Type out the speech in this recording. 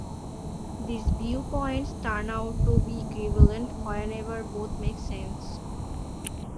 These viewpoints turn out to be equivalent whenever both make sense.